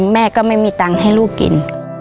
แม่ก็ไม่มีตังค์ให้ลูกกิน